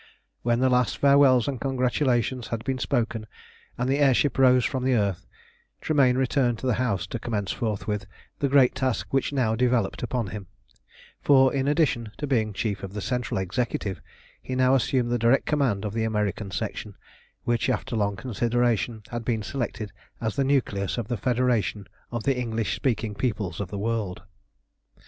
When the last farewells and congratulations had been spoken, and the air ship rose from the earth, Tremayne returned to the house to commence forthwith the great task which now developed upon him; for in addition to being Chief of the Central Executive, he now assumed the direct command of the American Section, which, after long consideration, had been selected as the nucleus of the Federation of the English speaking peoples of the world.